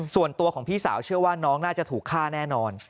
ส่วนตัวของพี่สาวเชื่อว่าน้องน่าจะถูกฆ่าแน่นอน